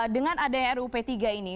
dengan adanya ruu p tiga ini